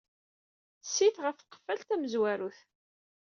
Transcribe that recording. Sit ɣef tqeffalt tamezwarut.